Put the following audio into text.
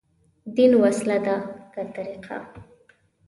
دين وسيله ده، که طريقه؟